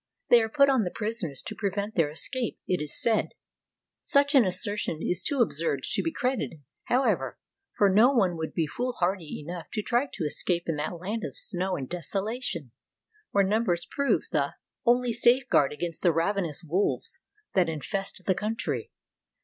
They are put on the prisoners to prevent their escape, it is said. Such an assertion is too absurd to be credited, however, for no one would be foolhardy enough to try to escape in that land of snow and desolation, where numbers prove the 182 ON THE MARCH TO SIBERIA only safeguard against the ravenous wolves that infest the country.